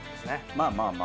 まあまあま